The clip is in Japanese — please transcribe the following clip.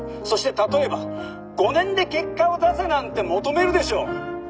そして例えば５年で結果を出せなんて求めるでしょ。